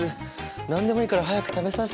何でもいいから早く食べさせて。